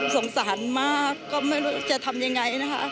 สงสารมากก็ไม่รู้จะทำยังไงนะคะ